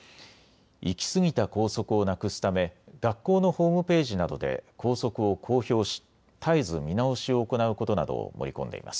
行きすぎた校則をなくすため学校のホームページなどで校則を公表し、絶えず見直しを行うことなどを盛り込んでいます。